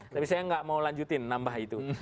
tapi saya nggak mau lanjutin nambah itu